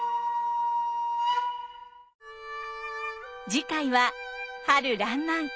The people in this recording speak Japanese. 次回は春らんまん。